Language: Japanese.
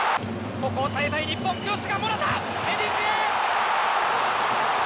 ここを耐えたい日本クロスからモラタ、ヘディング。